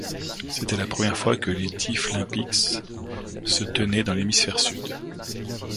C'était la première fois que les Deaflympics se tenaient dans l'hémisphère sud.